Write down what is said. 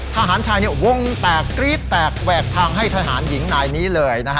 ทหารชายเนี่ยวงแตกกรี๊ดแตกแวกทางให้ทหารหญิงใหม่นี้เลยนะฮะ